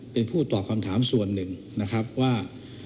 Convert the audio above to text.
เป็นผู้ตอบคำถามส่วนหนึ่งนะครับว่า